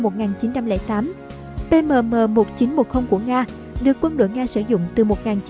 mgk m một nghìn chín trăm một mươi của nga được quân đội nga sử dụng từ một nghìn chín trăm một mươi